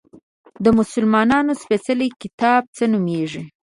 د مسلمانانو سپیڅلی کتاب څه نومیږي؟